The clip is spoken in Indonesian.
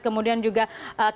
kemudian juga qantas